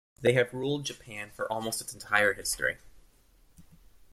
They have ruled Japan for almost its entire history.